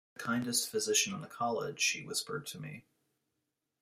"The kindest physician in the college," she whispered to me.